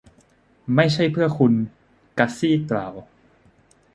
ไม่ใช่เพื่อคุณ. กัซซี่กล่าว